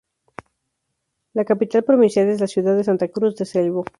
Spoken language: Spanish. La capital provincial es la ciudad de Santa Cruz del Seibo.